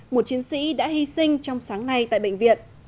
một chiến sĩ đã hy sinh trong sáng nay tại bệnh viện